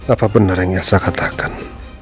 apa benar yang saya katakan